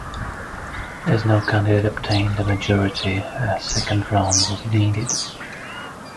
As no candidate obtained a majority a second round was needed.